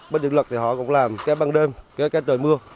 bên điện lực thì họ cũng làm cái ban đêm cái trời mưa